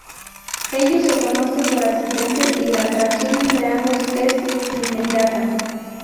Ellos se conocen por accidente y la atracción entre ambos es inmediata.